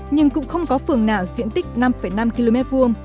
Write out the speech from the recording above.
nhưng cũng không có phường nào diện tích năm năm km hai